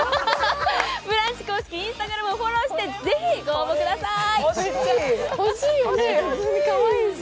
「ブランチ」公式Ｉｎｓｔａｇｒａｍをフォローして是非ご応募ください。